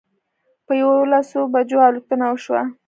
په یوولسو بجو الوتنه وشوه.